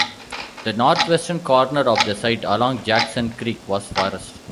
The northwestern corner of the site along Jackson Creek was forest.